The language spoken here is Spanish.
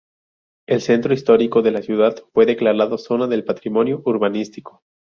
El centro histórico de la ciudad fue declarado zona del patrimonio urbanístico.